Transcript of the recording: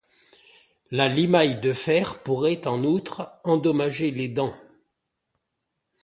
La limaille de fer pourrait en outre endommager les dents.